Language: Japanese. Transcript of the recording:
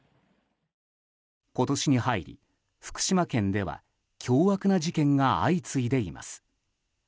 今年に入り福島県では凶悪な事件が相次いでいます。